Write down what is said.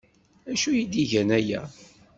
D acu ay d-igan aya?